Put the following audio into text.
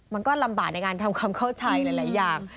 มันก็ลำบากในการทำความเข้าใจหลายอย่าง